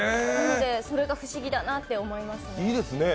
それが不思議だなって思いますね。